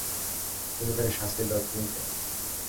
কিন্তু তাকে শাস্তি দেওয়ার তুমি কে?